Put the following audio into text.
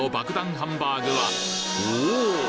ハンバーグはおお！